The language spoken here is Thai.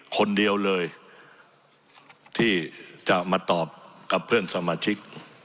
คนเดียวเลยที่จะมาตอบกับเพื่อนสมาชิก